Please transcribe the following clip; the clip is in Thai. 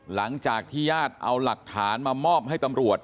หลังจากที่ญาติเอาหลักฐานมามอบให้ตำรวจ